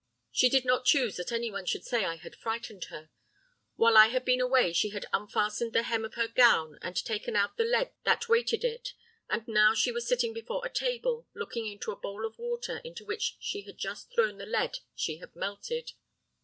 She did not choose that any one should say I had frightened her. While I had been away she had unfastened the hem of her gown and taken out the lead that weighted it; and now she was sitting before a table, looking into a bowl of water into which she had just thrown the lead she had melted.